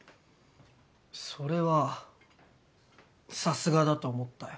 それはさすがだと思ったよ。